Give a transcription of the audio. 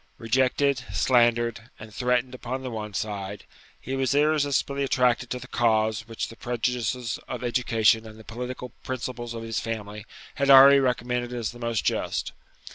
Rejected, slandered, and threatened upon the one side, he was irresistibly attracted to the cause which the prejudices of education and the political principles of his family had already recommended as the most just.